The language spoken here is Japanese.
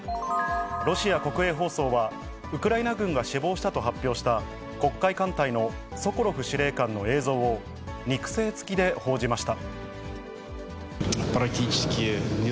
ロシア国営放送は、ウクライナ軍が死亡したと発表した黒海艦隊のソコロフ司令官の映像を、肉声つきで報じました。